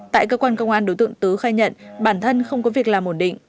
tại cơ quan công an đối tượng tứ khai nhận bản thân không có việc làm ổn định